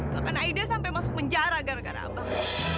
bahkan ahida sampai masuk penjara gara gara abang